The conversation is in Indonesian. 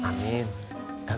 gak usah lengkap lengkap